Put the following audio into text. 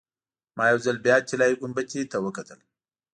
ما یو ځل بیا طلایي ګنبدې ته وکتل.